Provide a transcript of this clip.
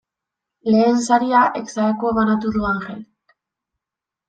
Lehen saria ex aequo banatu du Angelek.